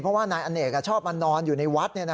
เพราะว่านายอเนกชอบมานอนอยู่ในวัด